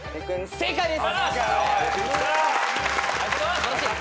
正解です。